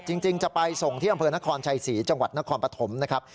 จริงจะไปส่งที่อำเภอนครชัยศรีจังหวัดนครปฐมนะครับ